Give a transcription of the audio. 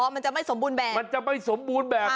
มันจะไม่สมบูรณ์แบบมันจะไม่สมบูรณ์แบบ